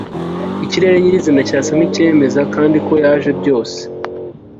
ikirere nyirizina cyasa nkicyemeza kandi ko yaje byose